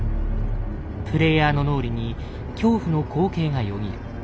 プレイヤーの脳裏に恐怖の光景がよぎる。